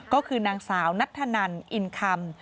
ก็คือนางสาวนัทธนันอินคำ